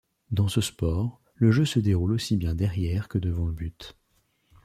Dans ce sport, le jeu se déroule aussi bien derrière que devant le but.